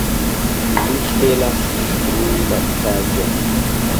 Ili celas instrui la Saĝon.